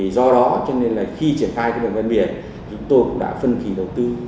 do đó cho nên là khi triển khai cái đoạn văn biển chúng tôi cũng đã phân khí đầu tư